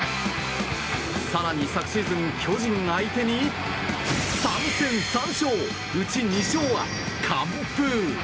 更に、昨シーズン巨人相手に３戦３勝うち２勝は完封。